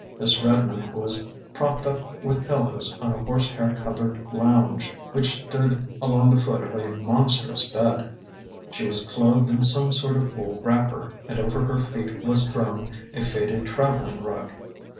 Miss Redmond was propped up with pillows on a horsehair covered lounge, which stood along the foot of a monstrous bed. She was clothed in some sort of wool wrapper, and over her feet was thrown a faded traveling rug.